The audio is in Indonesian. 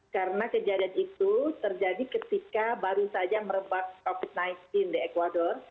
karena kejadian itu terjadi ketika baru saja merebak covid sembilan belas di ecuador